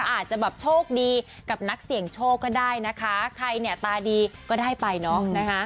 อาจจะแบบโชคดีกับนักเสี่ยงโชคก็ได้นะคะใครเนี่ยตาดีก็ได้ไปเนอะนะคะ